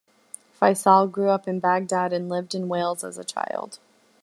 Faisal grew up in Baghdad and lived in Wales as a child.